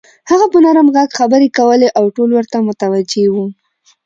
هغه په نرم غږ خبرې کولې او ټول ورته متوجه وو.